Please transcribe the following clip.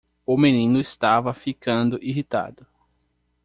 O menino estava ficando irritado.